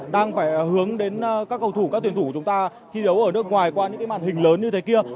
đang phải hướng đến các cầu thủ các tuyển thủ của chúng ta thi đấu ở nước ngoài qua những màn hình lớn như thế kia